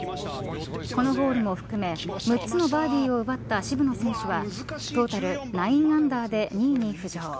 このホールも含め６つのバーディーを奪った渋野選手はトータル９アンダーで２位に浮上。